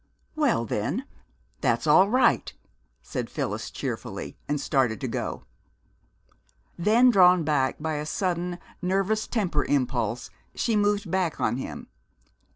"Well, then, that's all right," said Phyllis cheerfully, and started to go. Then, drawn back by a sudden, nervous temper impulse, she moved back on him.